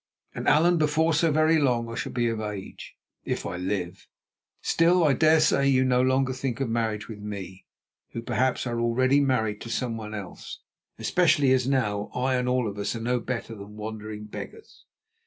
And, Allan, before so very long I shall be of age, if I live. Still I dare say you no longer think of marriage with me, who, perhaps, are already married to someone else, especially as now I and all of us are no better than wandering beggars.